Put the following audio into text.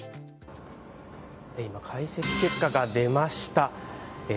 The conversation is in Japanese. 解析結果が出ました。